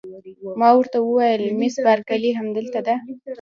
ما ورته وویل: مس بارکلي همدلته ده؟